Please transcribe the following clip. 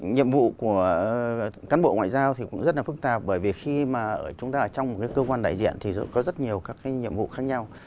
nhiệm vụ của cán bộ ngoại giao thì cũng rất là phức tạp bởi vì khi mà ở chúng ta ở trong một cái cơ quan đại diện thì có rất nhiều các cái nhiệm vụ khác nhau